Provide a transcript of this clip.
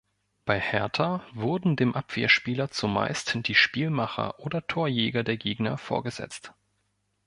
Bei Hertha wurden dem Abwehrspieler zumeist die Spielmacher oder Torjäger der Gegner vorgesetzt.